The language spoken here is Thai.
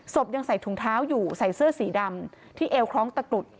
ยังใส่ถุงเท้าอยู่ใส่เสื้อสีดำที่เอวคล้องตะกรุด